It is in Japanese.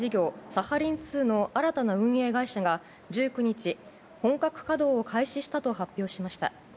サハリン２の新たな運営会社が、１９日、本格稼働を開始したと発表しました。